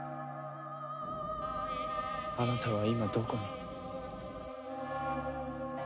あなたは今どこに。